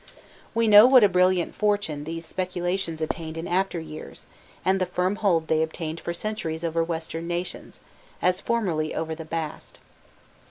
We know what a brilliant fortune these speculations attained in after years, and the firm hold they obtained for centuries over Western nations, as formerly over the Bast.